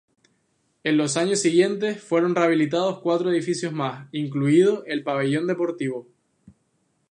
En los años siguientes fueron rehabilitados cuatro edificios más, incluido el pabellón deportivo.